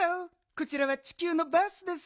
こちらはちきゅうのバースです。